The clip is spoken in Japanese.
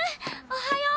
おおはよう。